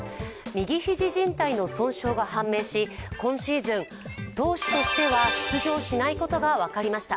右肘じん帯の損傷が判明し、今シーズン、投手としては出場しないことが分かりました。